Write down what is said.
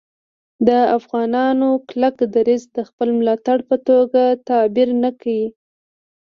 د افغانانو کلک دریځ د خپل ملاتړ په توګه تعبیر نه کړي